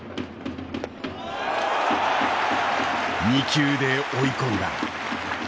２球で追い込んだ。